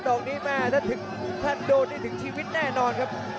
นอกนี้แม่ถ้าถึงท่านโดนได้ถึงชีวิตแน่นอนครับ